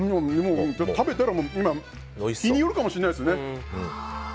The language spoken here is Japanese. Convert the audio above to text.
食べたら日によるかもしれないですね。